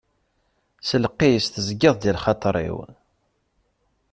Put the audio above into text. S lqis tezgiḍ-d i lxaṭer-iw.